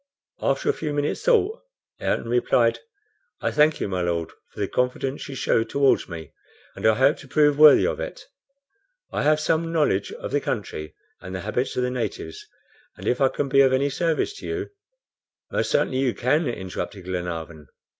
After a few minutes' thought, Ayrton replied "I thank you, my Lord, for the confidence you show towards me, and I hope to prove worthy of it. I have some knowledge of the country, and the habits of the natives, and if I can be of any service to you " "Most certainly you can," interrupted Glenarvan.